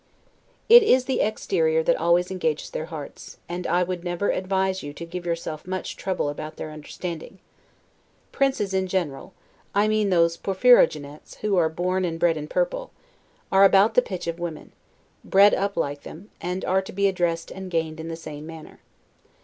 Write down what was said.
It is the exterior that always engages their hearts; and I would never advise you to give yourself much trouble about their understanding. Princes in general (I mean those 'Porphyrogenets' who are born and bred in purple) are about the pitch of women; bred up like them, and are to be addressed and gained in the same manner.